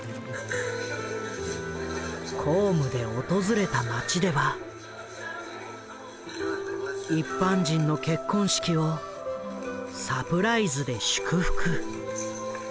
公務で訪れた町では一般人の結婚式をサプライズで祝福。